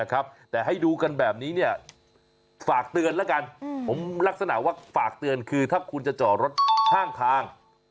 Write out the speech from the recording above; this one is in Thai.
ไม่มีใครเสียชีวิตนะครับแต่ให้ดูกันแบบนี้เนี่ยฝากเตือนนะกันผมลักษณะว่าฝากเตือนคือถ้าคุณจะจอรถข้างทางปัดปลอดฟัง